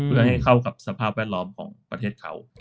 เพื่อให้เข้ากับสภาพแวดล้อมของประเทศเขา